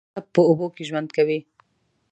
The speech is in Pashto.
کب په اوبو کې ژوند کوي